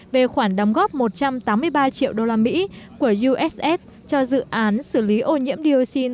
về khoản đóng góp một trăm tám mươi ba triệu đô la mỹ của uss cho dự án xử lý ô nhiễm dioxin